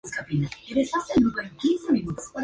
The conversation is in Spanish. Y ellos se sentaron.